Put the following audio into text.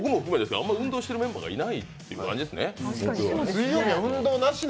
あんまり運動しているメンバーがいないっていう感じですね。